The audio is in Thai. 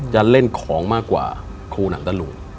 จะเล่นของมากกว่าครูหนังตะลุง